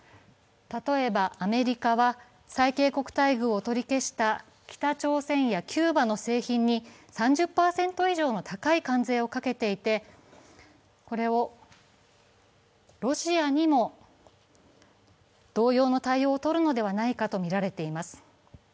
例えば、アメリカは最恵国待遇を取り消した北朝鮮やキューバの製品に３０％以上の高い関税をかけていて、これをロシアにも同様の対応をとるのではないかとみられています。